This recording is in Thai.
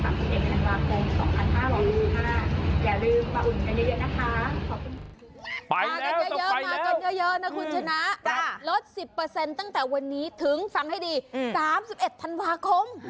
มากันเยอะนะคะลด๑๐ตั้งแต่วันนี้ถึงฟังให้ดี๓๑ธันวาคม